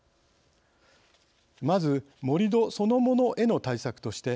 まず、盛り土そのものへの対策として